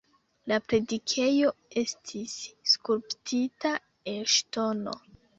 La predikejo estis skulptita el ŝtono.